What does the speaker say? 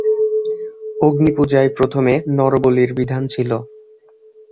অগ্নিপূজায় প্রথমে নরবলির বিধান ছিল।